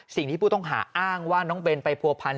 สิ่งที่ผู้ต้องหาอ้างว่าน้องเบนไปผัวพันธ